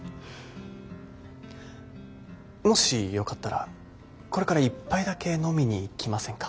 もしよかったらこれから１杯だけ飲みに行きませんか？